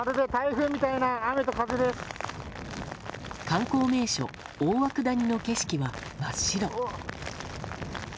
観光名所・大涌谷の景色は真っ白。